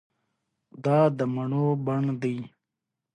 درد منې ونې د بڼ ، دمڼو خوب وویني